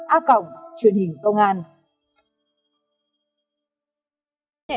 a cộng truyền hình công an